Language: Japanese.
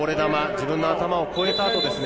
自分の頭を越えたあとですね。